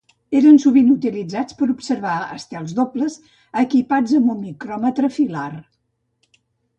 Eren sovint utilitzats per observar estels dobles, equipats amb un micròmetre filar.